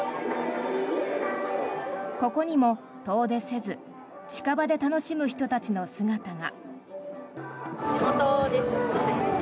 ここにも、遠出せず近場で楽しむ人たちの姿が。